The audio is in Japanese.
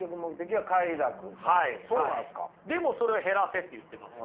でもそれを減らせって言ってますよね。